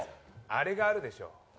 あれがあるでしょ？